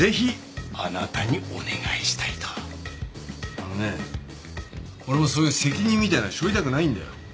あのね俺もそういう責任みたいなの背負いたくないんだよ。